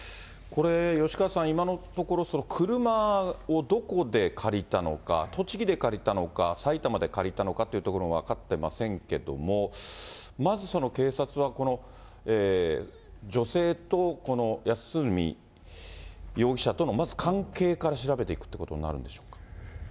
これ、吉川さん、今のところ、車をどこで借りたのか、栃木で借りたのか、埼玉で借りたのかっていうところも分かってませんけども、まずその警察は、この女性と安栖容疑者とのまず関係から調べていくってことになるんでしょうか。